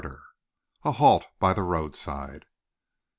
CHAPTER I. A HALT BY THE ROADSIDE.